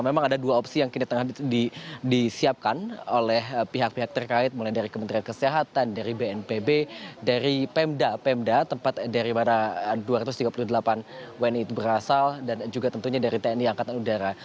memang ada dua opsi yang kini tengah disiapkan oleh pihak pihak terkait mulai dari kementerian kesehatan dari bnpb dari pemda pemda tempat dari mana dua ratus tiga puluh delapan wni itu berasal dan juga tentunya dari tni angkatan udara